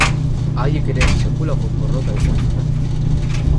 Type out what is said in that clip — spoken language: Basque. Haiek ere sekulako porrota izan zuten.